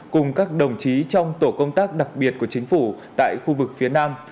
cùng các đồng chí trong tổ công tác đặc biệt của chính phủ tại khu vực phía nam